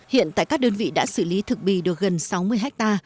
hiện tại các đơn vị đã xử lý thực bì được gần sáu mươi ha